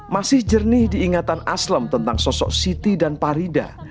masih jernih diingatan aslem tentang sosok siti dan parida